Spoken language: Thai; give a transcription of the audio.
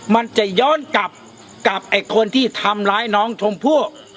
มันจะย้อนกลับกับไอ้คนที่ทำร้ายน้องชมพู่